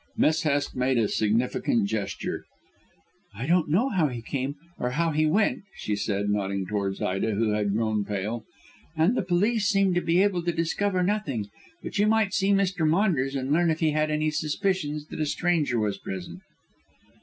Miss Hest made a significant gesture. "I don't know how he came or how he went," she said, nodding towards Ida, who had grown pale, "and the police seem to be able to discover nothing. But you might see Mr. Maunders and learn if he had any suspicions that a stranger was present."